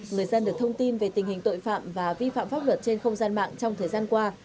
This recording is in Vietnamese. người dân được thông tin về tình hình tội phạm và vi phạm pháp luật trên không gian mạng trong thời gian qua